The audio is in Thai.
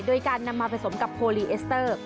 โดยการนำมาผสมกับโพลีเอสเตอร์